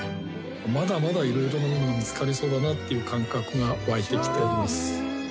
まだまだいろいろなものが見つかりそうだなっていう感覚が湧いてきております。